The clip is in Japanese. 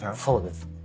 そうです。